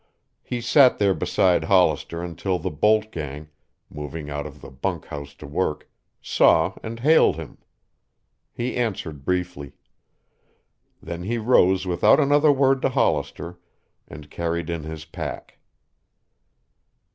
He sat there beside Hollister until the bolt gang, moving out of the bunk house to work, saw and hailed him. He answered briefly. Then he rose without another word to Hollister and carried in his pack.